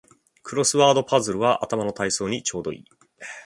クロスワードパズルは頭の体操にちょうどいい